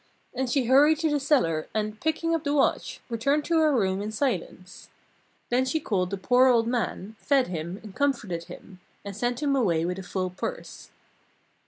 And she hurried to the cellar and, picking up the watch, returned to her room in silence. Then she called the poor old man, fed him, and comforted him, and sent him away with a full purse.